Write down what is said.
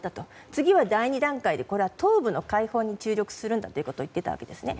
次は第２段階で、これは東部の開放に注力するんだと言っていたわけですよね。